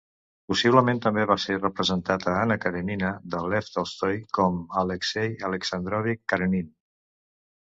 Possiblement també va ser representat a "Anna Karènina" de Lev Tolstoi com a Alexei Alexandrovich Karenin.